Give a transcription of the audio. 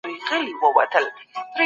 له علمي ميتودونو څخه ګټه واخلئ.